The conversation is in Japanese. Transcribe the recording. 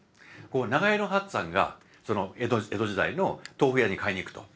長屋の八っつぁんが江戸時代の豆腐屋に買いに行くと。